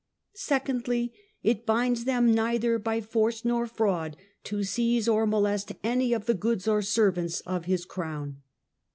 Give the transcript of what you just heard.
Secondly, it binds them neither by force nor fraud to seize or molest any of the goods or servants of his crown.